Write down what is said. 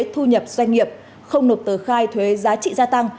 thu nhập doanh nghiệp không nộp tờ khai thuế giá trị gia tăng